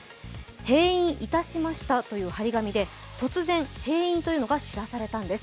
閉院いたしましたという貼り紙で突然、閉院というのが知らされたんです。